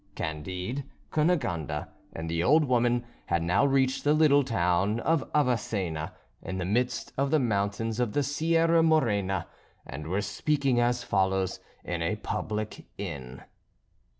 Candide, Cunegonde, and the old woman, had now reached the little town of Avacena in the midst of the mountains of the Sierra Morena, and were speaking as follows in a public inn.